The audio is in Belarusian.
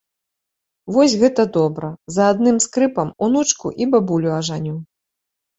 Вось гэта добра, за адным скрыпам унучку і бабулю ажаню.